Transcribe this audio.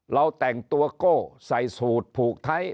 เราแต่งตัวโก้ใส่สูตรผูกไทย